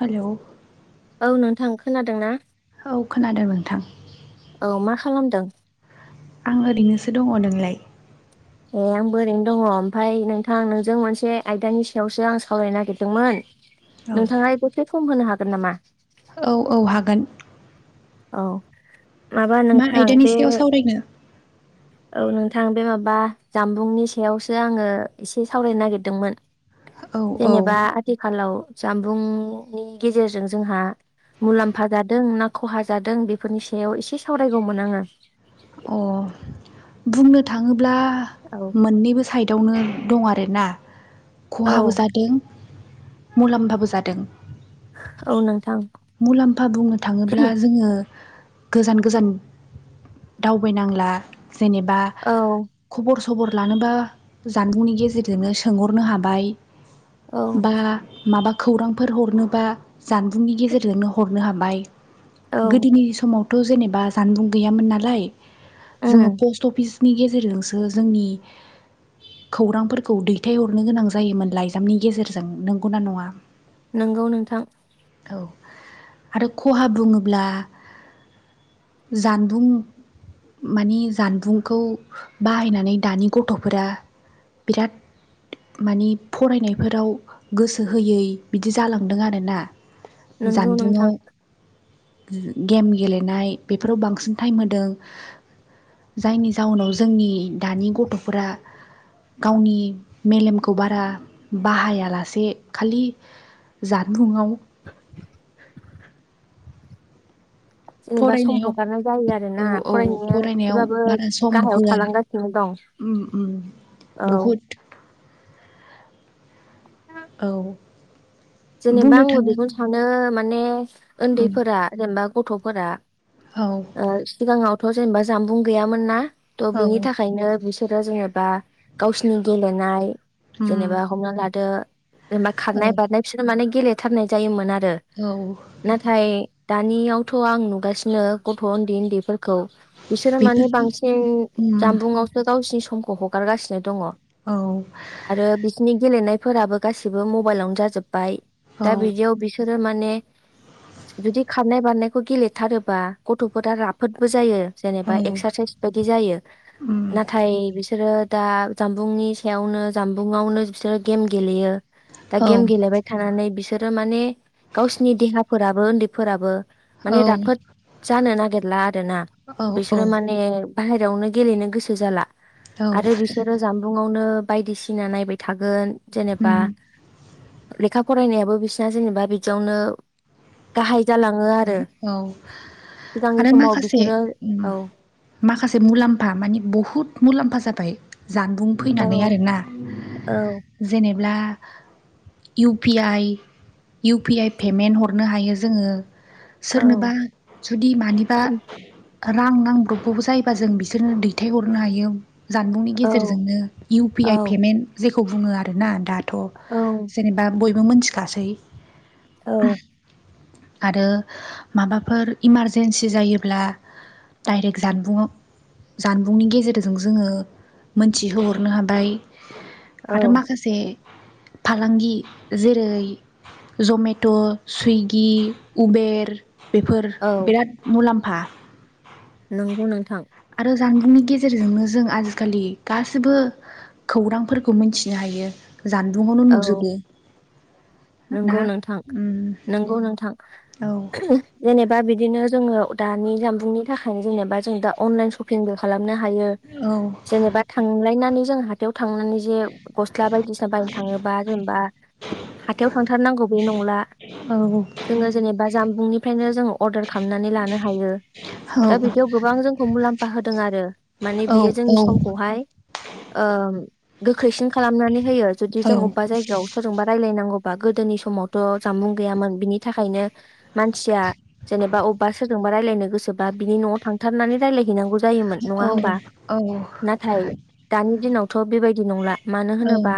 हेल' औ नोंथां खोनादों ना? औ खोनादों नोंथां। औ मा खालामदों? आं ओरैनोसो दङ नोंलाय? ए आं ओरैनो दङ ओमफ्राय नोंथां नोंजों मोनसे आयदानि सायावसो आं सावरायनो नागिरदोंमोन। औ नोंथाङा एसे सम होनो हागोन नामा? औ औ हागोन। औ माबा मा नोंथां आयदानि बे सायाव सावरायनो औ नोंथां बे माबा जामबुंनि सायावसो आङो एसे सावरायनो नागिरदोंमोन। औ औ जेनेबा आथिखालाव जामबुंनि गेजेरजों जोंहा मुलाम्फा जादों ना खहा जादों बेफोरनि सायाव एसे सावरायगौमोन आङो। अ बुंनो थाङोब्ला औ मोननैबो साइडआवनो दं आरोना। औ खहाबो जादों मुलाम्फाबो जादों। औ नोंथां मुलाम्फा बुंनो थाङोब्ला जोङो गोजान गोजान दावबायनांला जेनेबा औ खब खबर लानोबा जानबुंनि गेजेरजोंनो सोंहरनो हाबाय औ बा माबा खौरांफोर हरनोबा जानबुंनि गेजेरजोंनो हर। हरनो हाबाय औ गोदोनि समावथ' जेनेबा जानबुं गैयामोन नालाय जोङो उम पस्ट अफिसनि गेजेरजोंसो जोंनि खौरांफोरखौ दैथायहरनो गोनां जायोमोन लाइजामनि गेजेरजों नंगौना नङा नंगौ नोंथां। औ आरो खहा बुङोब्ला जानबुं माने जानबुंखौ बाहायनानै दानि गथ'फोरा बिराद। मानिे फरायनायफोराव गोसो होयै बिदि जालांदों आरोना। नोंगौ जानबुंआव नोंथां। गेम गेलेनाय बेफोराव बांसिन टाइम होदों। जायनि जाउनाव जोंनि दानि गथ'फोरा गावनि मेलेमखौ बारा बाहायालासे खालि जानबुंआव [unintelligible] [unintelligible] जेनेबा सम फरायनायाव हगारनाय जायो आरोना औ औ फरायनाया फरायनायाव एसेबाबो बारा सम गाहायाव होआ। थालांगासिनो दं उ उ औ बहुत औ जेनेबा बुंनो आंबो थाङो बेखौनो सानो माने उम उन्दैफोरा जेनेबा गथ'फोरा औ ओ सिगाङावथ' जेनेबा जामबुं गैयामोन ना थ' औ बिनि थाखायनो बिसोरो जेनेबा गावसिनि गेलेनाय उम जेनेबा हमना लादो। जेनबा खारनाय औ बारनाय बिसोरो माने गेलेथारनाय जायोमोन आरो औ नाथाय दानियावथ' आं नुगासिनो गथ' उन्दै उन्दै खौ बिसोरो माने बेफोरखौ बांसिन उम जानबुंवसो गावसिनि समखौ हगारगासिनोघ दङ औ आरो बिसिनि गेलेनायफोराबो गासिबो मबाइलावनो जाजोब। बाय औ दा बिदियाव बिसोरो माने। जुदि खारनाय बारनायखौ गेलेथारोबा गथ'फोरा राफोदबो जायो। औ जेनेबा एक्सारसाइस बायदि जायो उम नाथाय बिसोरो दा जानबुंनि सायावनो जानबुंआवनो बिसोरो गेम गेलेयो दा औ गेम गेलेबाय थानानै बिसोरो माने गावसिनि देहाफोराबो उन्दैफोराबो माने औ राफोद जानो नागिरला आरो ना औ औ बिसोरो माने बाहेरायावनो गेलेनो गोसो जाला औ आरो बिसोरो जामबुंआवनो बायदिसिना नायबाय थागोन जेनेबा उम लेखा फरायनायाबो बिसिना जेनेबा बिदियावनो गाहाय जालाङो आरो औ सिगांनि आरो समाव माखासे बिसोरो औ माखासे मुलाम्फा मानि बुहुत मुलाम्फा जाबाय -बाय जानबुं औ फैनानै आरोना औ जेनेब्ला U P I U P I payment हरनो हायो जोंङो औ सोरनोबा जुदि मानिबा रां नांब्रबगौबो जायोबा जों बिसोरनो दैथायहरनो हायो। जानबुंनि गेजेरजोंनो इउ पि औ आइ पेमेन्ट जेखौ बुंङो आरोना दा थ' औ जेनेबा बयबो मोनथिखासै औ आरो माबाफोर इमारजेेनसि जायोब्ला डाइरेक्ट जानबुंङाव जानबुंनि गेजेरजों जोंङो मोनथिहोहरनो हाबाय आरो औ माखासे फालांगि जेरै जमेट' सुइगि उबेर बेफोर औ बिराद मुलाम्फा नंगौ नोंथां जानबुंनि गेजेरजोंनो जों आजिखालि गासिबो खौरांफोरखौ मोनथिनो हायो जानबुङावनो औ नुजोबो ना नंगौ नोंथां उम नंगौ नोंथां औ जेनेबा बिदिनो जोंङो दानि जामबुंनि थाखायनो जेनेबा जों दा अनलाइन सपिंबो खालाम -नो हायो औ जेनेबा थांलायनानै जों -थायाव थांनानै जे गस्ला बायदिसिना बायनो थाङोबा जेनेबा हाथायाव थांथारनांगौ बे नंला औ जोंङो जेनबा जामबुं -बुंनिफ्रायनो जोङो अरदार खालामनानै लानो हायो दा बिदियाव जोंखौ मुलामफा हाबा होदों आरो माने औ बियो जोंनि समखौहाय ओ गोख्रैसिन खालामनानै होयो जुदि जों अबेबा जायगायाव सोरजोंबा रायलायनांगौ अबा गोदोनि समावथ' जामुं गैयामोन बिनि थाखायनो मानसिया जेनेबा अबा सोर -जोंबा रायलायनो गोसोबा बिनि न'वाव थांथारनानै रायलायहैनांगौ जायोमोन नङा औ हमबा औ नाथाय दानि दिनाव थ' बेबायदि नंला मानो होनोबा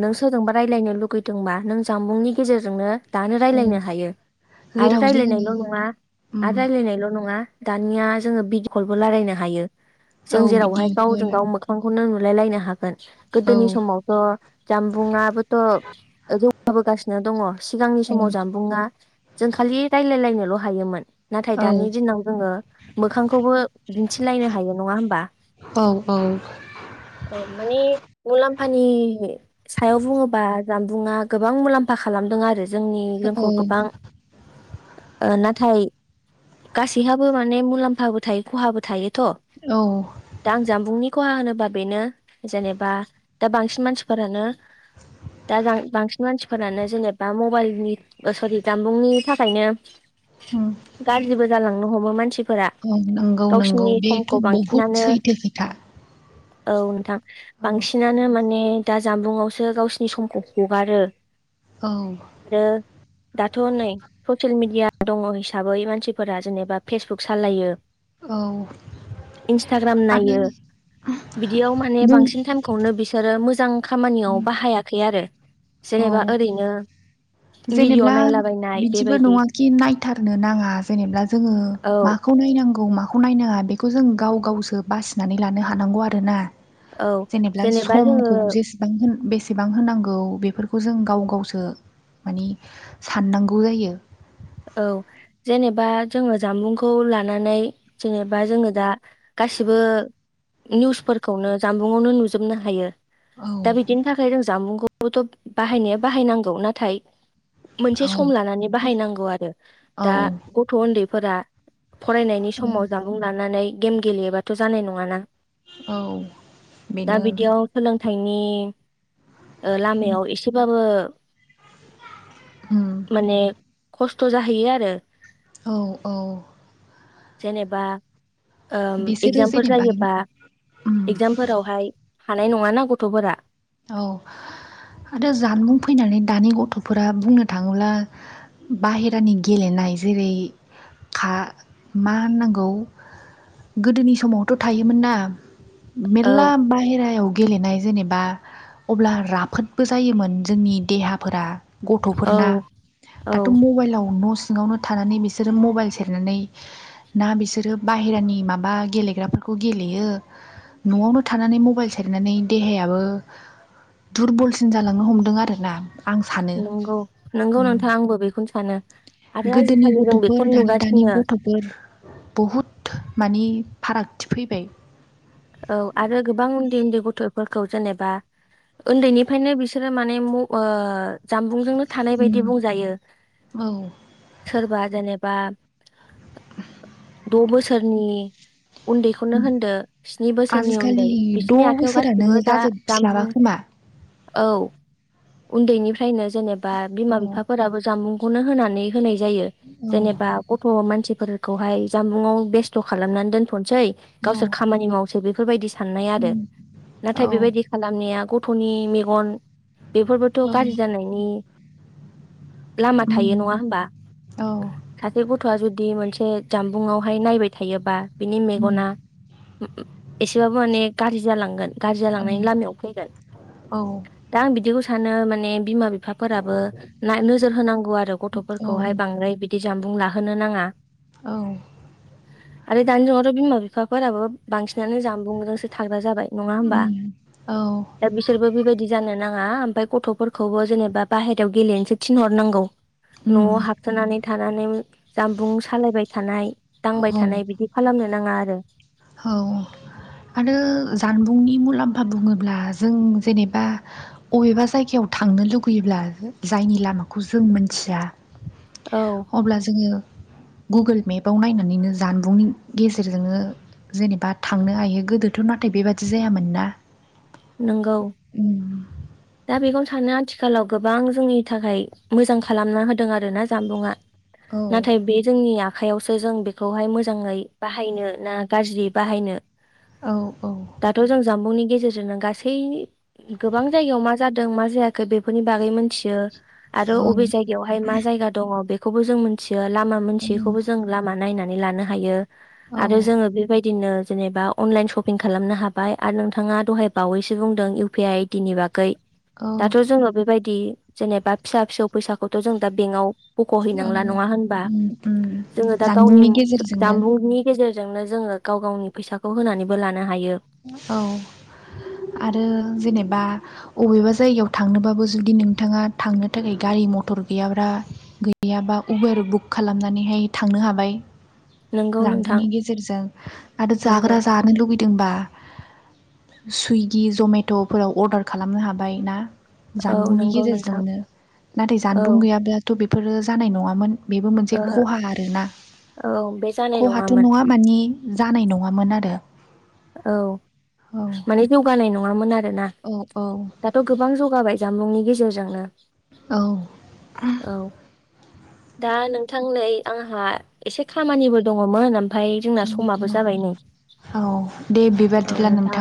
नों सोरजोंबा रायलायनो लुगै -दोंबा नों जामबुंनि गेजेरजोंनो दानो औ रायज्लायनो हायो आरो जेराव रायज्लायनायल' जोंनि नङा उम आरो राय्लायनायल' नङा दानिया जोंङो बिदिखलबो रायलायनो हायो औ जों जेरावहाय गावजों भिडिअफोर गाव मोखांखौनो नु -लाय लायनो हागोन औ गोदोनि समावथ' जामबुंआबोथ' [unintelligible] गासिनो दङ सिगांनि समाव औ जानबुंङा जों खालि रायलायलायनोल' हायोमोन। नाथाय दानि औ दिनाव जोंङो मोखांखौबो दिन्थिलायनो हायो नङा होमबा औ औ औ माने मुलामफानि सायाव बुङोबा जानबुंङा गोबां मुलाम्फा खालामदों आरो जोंनि जोंखौ औ गोबां ओ नाथाय गासैहाबो माने मुलाम्फाबो थायो खहाबो थायो। थ औ दा आं जामबुंनि खहा होनोबा होमबा बेनो जेनेबा दा बांसिन मानसिफोरानो दा बांसिन मानसिफोरानो जेनेबा मबाइलनि सरि जामबुंनि थाखायनो ओम गाज्रिबो जालांनो हमो मानसिफोरा नंगौ नंगौ गावसिनि बेथ' समखौ बहुद बांसिनानो सैथो खोथा [inaudible] औ नोंथां औ बांसिनानो माने दा जामबुंआवसो गावसिनि समखौ हगारो। औ आरो दाथ' नै ससियेल मिडिया दङ हिसाबै मानसिफोरा जेनेबा फेसबुक सालायो। औ इन्स्टाग्राम आरो नायो, बिदियाव माने बुं बांसिन टाइमखौनो बिसोरो मोजां खामानियाव बाहायाखै आरो। जेरेबा औ ओरैनो भिडिअ' जेनेब्ला नायलाबायनाय बिदिबो बेबायदि नङााखि नायथारनो नाङा जेनेब्ला जोङो औ माखौ नायनांगौ माखौ नायनाङा बेखौ जों गाव गावसो बासिनानै लानो हानांगौ आरो ना। औ जेनेबा समखौ जेसेबां होन बे बेसेबां होनांगौ बेफोरखौ जों गाव गावसो मानि साननांगौ जायो। औ जेनेबा जोङो जामबुंखौ लानानै जेनेबा जोङो दा गासिबो निउसफोरखौनो जानबुंआवनो नुजोबनो हायो। औ दा बिदिनि थाखाय जों जामुंखौथ' बाहायनाया बाहायनांगौ नाथाय मोनसे औ सम लानानै बाहायनांगौ आरो दा गथ' ओन्दैफोरा फरायनायनि औ समाव जामुं लानानै गेम गेलेयोबाथ' जानाय नङाना। औ बेनो। फिथाइनि उम लामायाव एसेबाबो उम माने खस्थ' जाहैयो आरो। औ औ जेनेबा ओ बिसोरो इगजामफोर जेनेबा जायोबा उम इगजामफोरावहाय हानाय नङाना गथ'फोरा। औ आरो जानबुं फैनानै दानि गथ'फोरा बुंनो थाङोब्ला बाहेरानि गेलेनाय जेरै खा मा होननांगौ गोदोनि समावथ' थायोमोन ना औ मेरला बाहेरायाव गेलेनाय जेनेबा अब्ला राफोदबो जायोमोन जोंनि देहाफोरा। औ गथ'फोरना औ दाथ' मबाइलाव न' सिङावनो थानानै बिसोरो मबाइल सेरनानै ना बिसोरो बाहेरानि माबा गेलेग्राफोरखौ गेलेयो न'आवनो थानानै मबाइल सेरनानै देहायाबो दुरबलसिन जालांनो हमदों आरो ना। नंगौ नंगौ नोंथां आंबो बेखौनो सानो। आरो गोदोनि आजिखालि जों गथ'फोर बेखौनो दानि दानि नुगासिनो गथ'फोर बहुथ मानि फारागथि फैबाय। औ आरो गोबां उन्दै उन्दै गथ' फोरखौ जेनेबा ओन्दैनिफ्रायनो बिसोरो माने म ओ जामबुंजोंनो थानाय बायदि उम बुंजायो। औ सोरबा जेनेबा [inaudible] द' बोसोरनि उन्दैखौनो होनदो स्नि बोसोरनि उन्दै आजिखालि द' बिसनि आखायाव बोसोरानो गासिबो दा जाजोबस्लाबा जामबुं खोमा औ उन्दैनिफ्रायनो जेनेबा औ बिमा बिफाफोराबो जामुंखौनो होनानै होनाय जायो। औ जेनेबा गथ' मानसिफोरखौहाय जानबुंआव बेस्थ' खालामनानै दोनथ' सै औ गावसोर खामानि मावसै बेफोरबायदि साननाय आरो। औ नाथाय बेबायदि खालामनाया गथ' थनि मेगन बेफोरबोथ' औ गाज्रि जानायनि लामा थायो उम नङा होनबा? औ सासे गथ'आ जुदि मोनसे जामबुंआवहाय नायबाय थायोबा बिनि उम मेगना एसेबाबो माने गाज्रि जालांगोन गाज्रि औ जालांनायनि लामायाव फैगोन औ दा आं बिदिखौ सानो माने बिमा बिफ बिफाफोराबो ना नोजोर होनांगौ आरो औ गथ'फोरखौहाय बांद्राय बिदि जानबुं लाहोनो नाङा औ आरो दानि जुगावथ' बिमा बिफा फोराबो बांसिनानो जामबुंजोंसो थाग्रा जाबाय नङा होमबा उम औ दा बिसोरबो बेबायदि जानो नाङ ङा ओमफाय गथ'फोरखौबो जेनेबा बाहेरायाव गेलेनोसो थिनहरनांगौ उम न'आव हाबखोनानै थानानै जामबुं सालायबाय थानाय दांबाय थानाय बिदि खालामनो नाङा आरो औ आरो जानबुंनि मुलाम्फा बुङोब्ला जों जेनेबा अबेबा जायगायाव थांनो लुगैयोब्ला जायनि लामाखौ जों मोनथिया औ अब्ला जोङो गुगोल मेपाव नायनानैनो जानबुंनि गेजेरजोंनो जेनेबा थांनो हायो गोदोथ' नाथाय बेबादि जायामोन ना नोंगौ उम दा बेखौनो थानो आथिखालाव गोबां जोंनि थाखाय मोजां खालामना होदों आरो ना जामबुंआ औ नाथाय बे जोंनिया आखाइायावसो जों बेखौहाय मोजाङै बाहायनो ना गाज्रि बाहायनो औ औ दाथ' जों जामबुंनि गेजेरजोंनो गासै गोबां जायगायाव मा जादों मा जायाखै बेफोरनि बागै मोनथियो आरो औ अबे जायगायावहाय मा जायगा दङ बेखौबो जों मोनथि [unintelligible] लामा उम मोनथियैखौबो जों लामा नायनानै लानो हायो औ आरो जोङो बेबायदिनो जेनेबा अनलाइन सपिं खालामनो हाबाय आरो नोंथाङा दहाय बावैसो बुंदों इउ पि आइ दिनि बागै औ दाथ' जोङो बेबायदि जेनेबा फिसा फिसौ फैसाखौथ' जों दा बेंकआव औ बख'हैनांला नङा होनबा उम उम जोङो दा गावनि जानबुंनि गेजेरजोंनो जामबुंनि गेजेरजों जोंनो जोङो गाव गावनि फैसाखौ होनानैबो लानो हायो औ आरो जेनेबा अबेबा जायगायाव थांनोबाबो जुदि नोंथाङा थांनो थाखाय गारि मथर गैयाब्ला गै गैयाबा उबेर बुक खालामनानैहाय थांनो हाबाय नोंगौ नोंथां रानबुंनि गेजेरजों आरो नोंगौ जाग्रा जानो लुबैदोंबा सुइगि जमेट'फोराव अर्डार खालामनो हाबाय ना औ जानबुंनि नोंगौ नोंथां गेजेरजोंनो नाथाय औ जानबुं गैयाब्लाथ' बेफोरो जानाय नङामोन बेबो मोनसे ओहो खहा आरोना औ बे जानाय खहाथ' नङामोन नङा मानि जानाय नङामोन आरो औ माने जौगानाय नङामोन आरोना औ औ दाथ' गोबां जौगाबाय जामबुंनि गेजेरजोंनो औ औ दा नोंथां नै आंहा एसे खामानिबो दङमोन ओमफाय जोंना समाबो औ जाबाय नै औ दे औ बेबादिब्ला नोंथां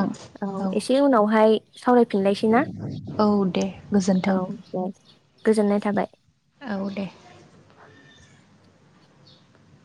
औ एसे उनावहाय सावरायफिनलायसै ना? औ दे गोजोन्थों औ दे गोजोननाय थाबाय। औ दे